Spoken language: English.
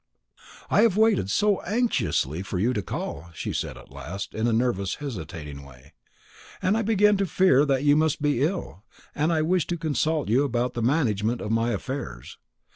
"I have waited so anxiously for you to call," she said at last, in a nervous hesitating way, "and I began to fear that you must be ill, and I wished to consult you about the management of my affairs.